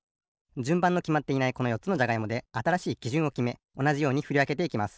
じゅんばんのきまっていないこのよっつのじゃがいもであたらしいきじゅんをきめおなじようにふりわけていきます。